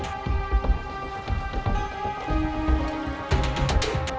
ya ada tiga orang